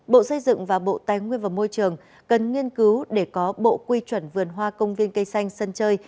bộ xây dựng và bộ tài nguyên và môi trường cần nghiên cứu để có bộ quy chuẩn vườn hoa công viên cây xanh sân chơi